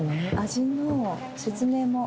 味の説明もある。